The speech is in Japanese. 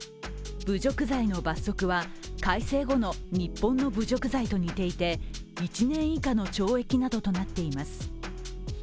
侮辱罪の罰則は改正後の日本の侮辱罪と似ていて、１年以下の懲役などとなっています